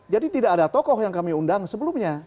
jadi tidak ada tokoh yang kami undang sebelumnya